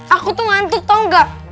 aku tuh ngantuk tau gak